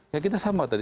ya kita sama tadi